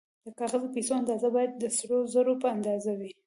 د کاغذي پیسو اندازه باید د سرو زرو په اندازه وي